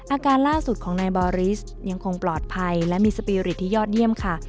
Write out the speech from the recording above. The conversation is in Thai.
อาการล่าสุดของนายบอริสยังคงปลอดภัยและมีสปีริตที่ยอดเยี่ยมค่ะ